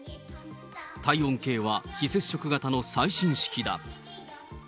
体温計は非接触型の最新式だ。